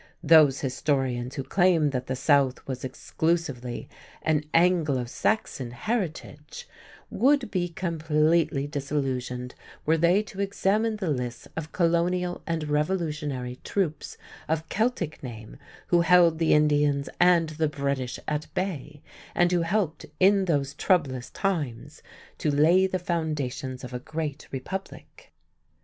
Those historians who claim that the South was exclusively an "Anglo Saxon" heritage would be completely disillusioned were they to examine the lists of Colonial and Revolutionary troops of Celtic name who held the Indians and the British at bay, and who helped in those "troublous times" to lay the foundations of a great Republic.